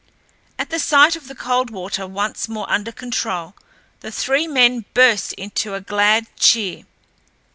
At the sight of the Coldwater once more under control, the three men burst into a glad cheer.